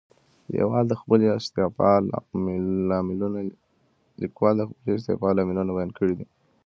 لیکوال د خپلې استعفا لاملونه بیان کړي دي.